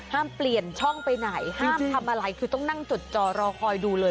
เปลี่ยนช่องไปไหนห้ามทำอะไรคือต้องนั่งจดจอรอคอยดูเลย